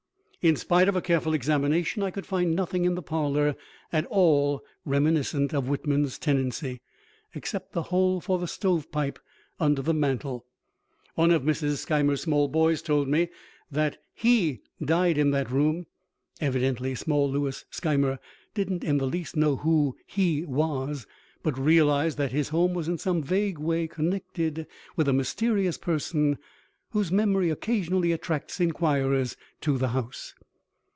In spite of a careful examination, I could find nothing in the parlor at all reminiscent of Whitman's tenancy, except the hole for the stovepipe under the mantel. One of Mrs. Skymer's small boys told me that "He" died in that room. Evidently small Louis Skymer didn't in the least know who "He" was, but realized that his home was in some vague way connected with a mysterious person whose memory occasionally attracts inquirers to the house.